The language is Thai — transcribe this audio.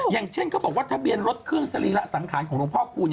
อย่างเช่นเขาบอกว่าทะเบียนรถเครื่องสรีระสังขารของหลวงพ่อคูณ